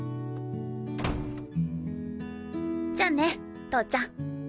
じゃあね投ちゃん。